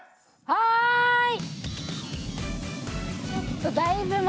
はい。